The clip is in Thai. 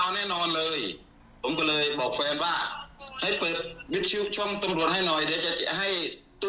ก็ยังไม่ทันเรียกเลยก็ตามที่ภาพนั่นเลยครับ